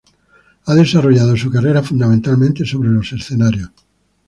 Ha desarrollado su carrera fundamentalmente sobre los escenarios.